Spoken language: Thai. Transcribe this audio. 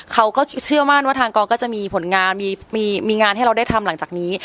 เขาก็เชื่อมั่นว่าทางกองก็จะมีผลงานมีงานให้เราได้ทำหลังจากนี้